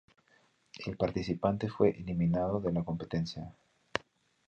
El participante fue eliminado de la competencia.